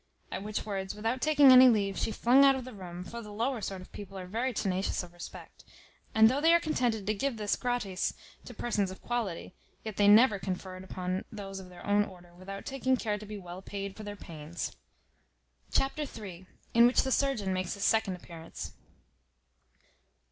At which words, without taking any leave, she flung out of the room; for the lower sort of people are very tenacious of respect; and though they are contented to give this gratis to persons of quality, yet they never confer it on those of their own order without taking care to be well paid for their pains. Chapter iii. In which the surgeon makes his second appearance.